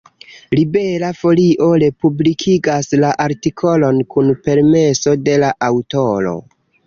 Libera Folio republikigas la artikolon kun permeso de la aŭtoro.